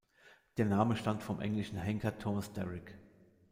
Der Name stammt vom englischen Henker Thomas Derrick.